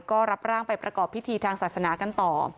ก็รับร่างไปประกอบพิธีทางศาสนากันต่อ